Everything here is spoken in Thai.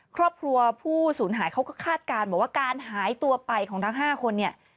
ครอบครัวผู้สูญหายเขาก็คาดการณ์บอกว่าการหายตัวไปของทั้ง๕คนเนี่ย